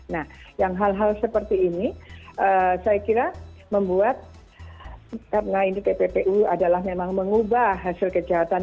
nah yang hal hal seperti ini saya kira membuat karena ini pppu adalah memang mengubah hasil kejahatan